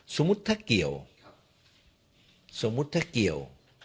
สมมุติถ้าเกี่ยว